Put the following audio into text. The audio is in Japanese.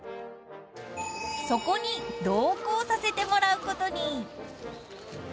［そこに同行させてもらうことに］